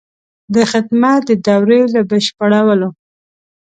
د خدمت د دورې له بشپړولو.